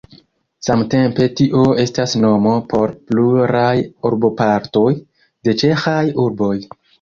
Samtempe tio estas nomo por pluraj urbopartoj de ĉeĥaj urboj.